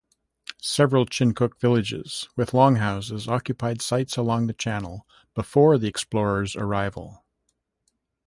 Several Chinook villages with longhouses occupied sites along the channel before the explorers' arrival.